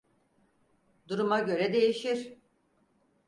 Duruma göre değişir.